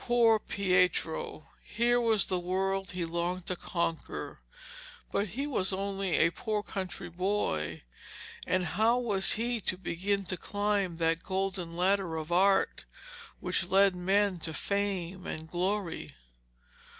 Poor Pietro! Here was the world he longed to conquer, but he was only a poor country boy, and how was he to begin to climb that golden ladder of Art which led men to fame and glory?